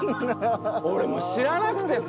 俺もう知らなくてさ。